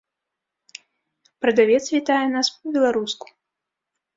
Прадавец вітае нас па-беларуску.